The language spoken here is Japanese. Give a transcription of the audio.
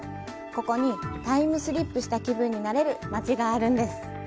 ここにタイムスリップした気分になれる町があるんです。